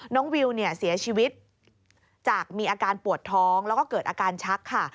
วิวเนี่ยเสียชีวิตจากมีอาการปวดท้องแล้วก็เกิดอาการชักค่ะ